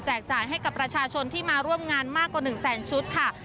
จ่ายให้กับประชาชนที่มาร่วมงานมากกว่า๑แสนชุดค่ะ